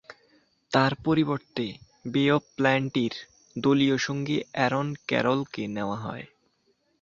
তার পরিবর্তে Bay of প্লেন্টি'র দলীয় সঙ্গী অ্যারন ক্যারলকে নেয়া হয়।